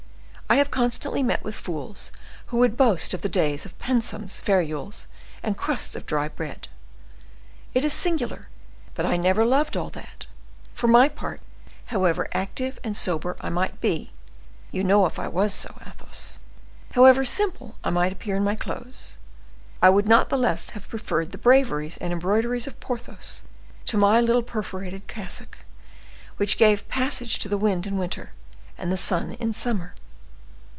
I have constantly met with fools who would boast of the days of pensums, ferules, and crusts of dry bread. It is singular, but I never loved all that; for my part, however active and sober I might be (you know if I was so, Athos), however simple I might appear in my clothes, I would not the less have preferred the braveries and embroideries of Porthos to my little perforated cassock, which gave passage to the wind in winter and the sun in summer.